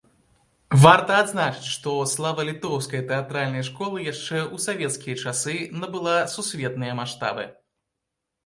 Варта адзначыць, што слава літоўскай тэатральнай школы яшчэ ў савецкія часы набыла сусветныя маштабы.